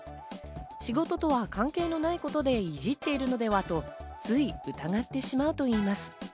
仕事とは関係のないことでいじっているのではと、つい疑ってしまうといいます。